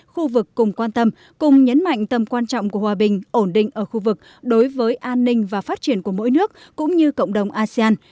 khu vực cùng quan tâm cùng nhấn mạnh tầm quan trọng của hòa bình ổn định ở khu vực đối với an ninh và phát triển của mỗi nước cũng như cộng đồng asean